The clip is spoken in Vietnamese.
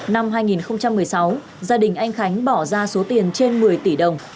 năm hai nghìn một mươi sáu gia đình anh khánh bỏ ra số tiền trên một mươi tỷ đồng